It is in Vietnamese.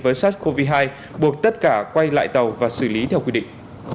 với sars cov hai buộc tất cả quay lại tàu và xử lý theo quy định